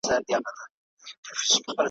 د علاج پیسې مي راکړه رخصتېږم ,